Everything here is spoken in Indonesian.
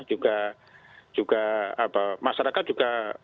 juga juga apa masyarakat juga